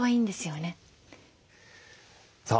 さあ